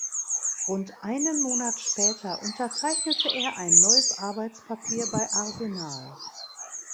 Rund einen Monat später unterzeichnete er ein neues Arbeitspapier bei Arsenal.